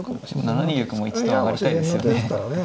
７二玉も一度は上がりたいですよね。